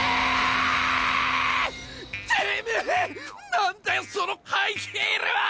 何だよそのハイヒールは！